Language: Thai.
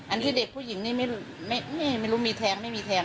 ที่เด็กผู้หญิงนี่ไม่รู้มีแทงไม่มีแทง